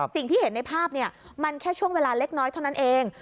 สิ่งที่เห็นในภาพมันแค่ช่วงเวลาเล็กน้อยเท่านั้นเอง